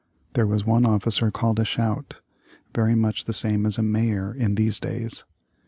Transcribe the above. There was one officer called a schout, very much the same as a mayor is in these days.